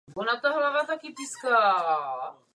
Následná eroze vytvořila plochou krajinu chudou na zásoby vody.